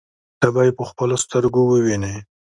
ته به يې په خپلو سترګو ووینې.